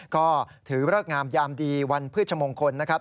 ก็ถือเลิกงามยามดีวันพฤชมงคลนะครับ